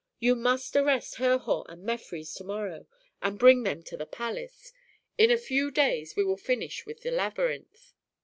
Ye must arrest Herhor and Mefres to morrow and bring them to the palace. In a few days we will finish with the labyrinth."